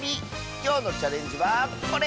きょうのチャレンジはこれ！